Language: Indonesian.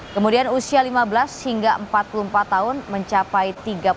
kemudian usia lima belas hingga empat puluh empat tahun mencapai tiga puluh